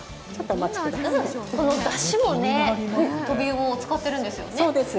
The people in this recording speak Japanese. このだしもトビウオを使ってるんですよね。